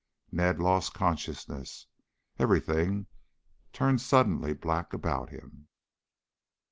Ned lost consciousness. Everything turned suddenly black about him.